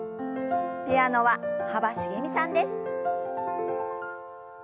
ピアノは幅しげみさんです。